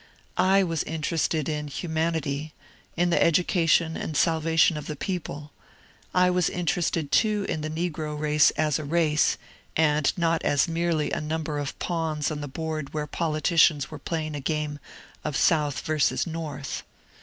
I was interested in humanity, in the education and salvation of the people ; I was interested too in the negro race as a race, and not as merely a number of pawns on the board where politicians were playing a g^me of South versus North.